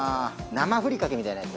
生ふりかけみたいなやつ？